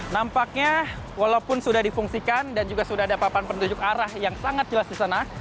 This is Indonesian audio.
nampaknya walaupun sudah difungsikan dan juga sudah ada papan penunjuk arah yang sangat jelas di sana